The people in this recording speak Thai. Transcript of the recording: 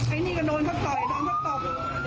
ไอ้นี่ก็โดนเขาต่อยโดนเขาตบ